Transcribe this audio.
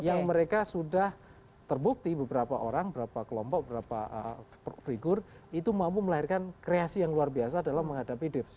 yang mereka sudah terbukti beberapa orang berapa kelompok berapa figur itu mampu melahirkan kreasi yang luar biasa dalam menghadapi defense